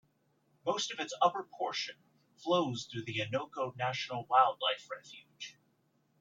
Most of its upper portion flows through the Innoko National Wildlife Refuge.